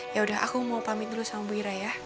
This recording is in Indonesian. ya udah aku mau pamit dulu sama bu ira ya